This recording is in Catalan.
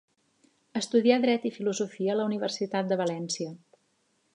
Estudià dret i filosofia a la Universitat de València.